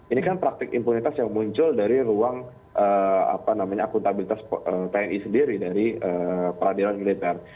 ini kan praktik impunitas yang muncul dari ruang akuntabilitas tni sendiri dari peradilan militer